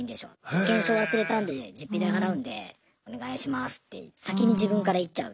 保険証忘れたんで実費で払うんでお願いしますって先に自分から言っちゃう。